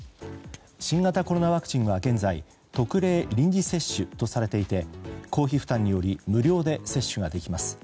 新型コロナワクチンは現在、特例臨時接種とされていて公費負担により無料で接種ができます。